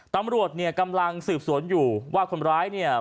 ตำรวจเนี่ยกำลังสืบสวนอยู่ว่าคนร้ายเนี่ย